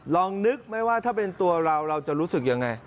ลองนึกไหมว่าถ้าเป็นตัวเราเราจะรู้สึกยังไง